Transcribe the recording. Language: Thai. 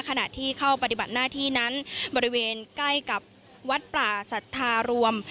ขณะที่เข้าปฏิบัติหน้าที่นั้นบริเวณใกล้กับวัดป่าสัทธารวม